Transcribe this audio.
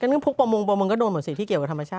กันพวกประมงกระดูนหมดสิที่เกี่ยวกับธรรมชาติ